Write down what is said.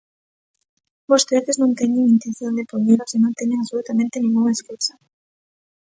Vostedes non teñen intención de poñelos e non teñen absolutamente ningunha escusa.